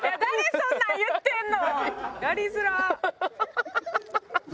そんなん言ってんの！